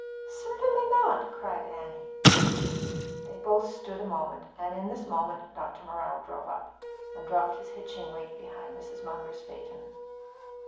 "Certainly not," cried Annie. They both stood a moment, and in this moment Dr. Morrell drove up, and dropped his hitching weight beyond Mrs. Munger's phaeton.